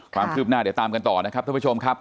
ความคืบหน้าเดี๋ยวตามกันต่อนะครับท่านผู้ชมครับ